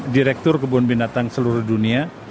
direktur kebun binatang seluruh dunia